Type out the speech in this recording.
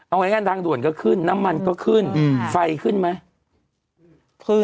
เอาง่ายทางด่วนก็ขึ้นน้ำมันก็ขึ้นไฟขึ้นไหม